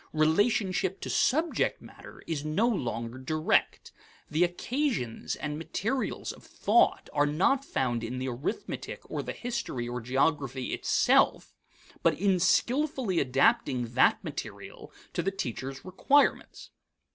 Relationship to subject matter is no longer direct. The occasions and material of thought are not found in the arithmetic or the history or geography itself, but in skillfully adapting that material to the teacher's requirements.